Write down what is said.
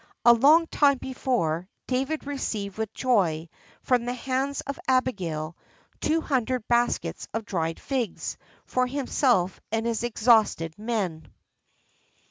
[XIII 59] A long time before, David received with joy, from the hands of Abigail, two hundred baskets of dried figs, for himself and his exhausted men.